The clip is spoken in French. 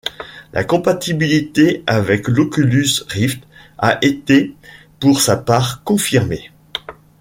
La compatibilité avec l'Oculus Rift a été pour sa part confirmée.